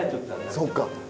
そうか。